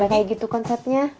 kira kira kayak gitu konsepnya